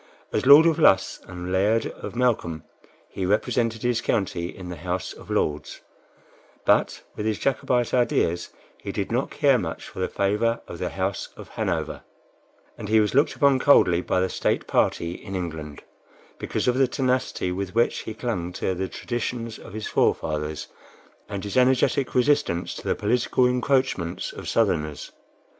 As Lord of Luss and "laird" of Malcolm, he represented his county in the House of Lords; but, with his Jacobite ideas, he did not care much for the favor of the House of Hanover, and he was looked upon coldly by the State party in England, because of the tenacity with which he clung to the traditions of his forefathers, and his energetic resistance to the political encroachments of Southerners.